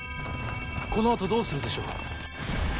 このあとどうするでしょう？